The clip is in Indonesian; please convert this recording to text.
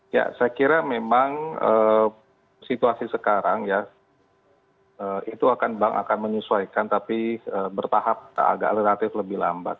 ya saya kira memang situasi sekarang ya itu akan bank akan menyesuaikan tapi bertahap agak relatif lebih lambat